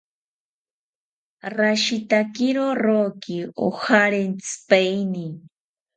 Rashitakiro roki ojarentsipaeni